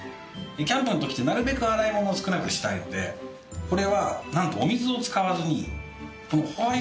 キャンプの時ってなるべく洗い物を少なくしたいのでこれはなんとお水を使わずにこのホワイトソースで茹でると。